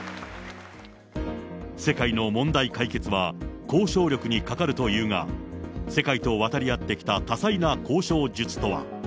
世界の問題解決は交渉力にかかるというが、世界と渡り合ってきた多彩な交渉術とは。